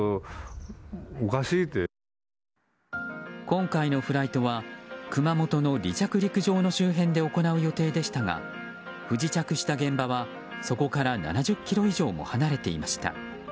今回のフライトは熊本の離着陸場の周辺で行う予定でしたが不時着した現場はそこから７０ｋｍ以上も離れていました。